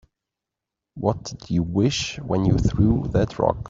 What'd you wish when you threw that rock?